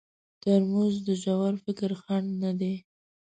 ترموز د ژور فکر خنډ نه دی.